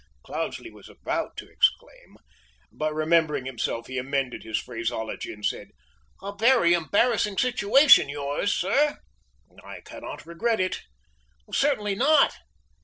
Cloudesley was about to exclaim, but remembering himself he amended his phraseology, and said, "A very embarrassing situation, yours, sir." "I cannot regret it!" "Certainly not!